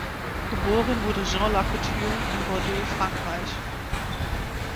Geboren wurde Jean Lacouture in Bordeaux, Frankreich.